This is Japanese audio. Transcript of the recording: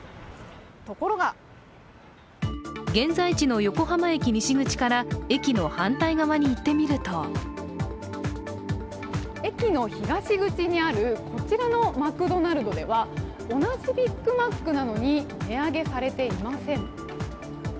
ところが現在地の横浜駅西口から駅の反対側に行ってみると駅の東口にあるこちらのマクドナルドでは同じビックマックなのに値上げされていません。